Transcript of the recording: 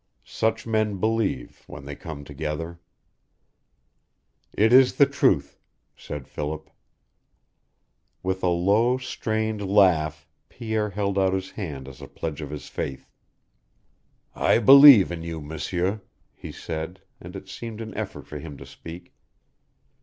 Such men believe, when they come together. "It is the truth," said Philip. With a low, strained laugh Pierre held out his hand as a pledge of his faith. "I believe in you, M'sieur," he said, and it seemed an effort for him to speak.